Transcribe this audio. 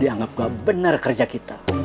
dianggap gak benar kerja kita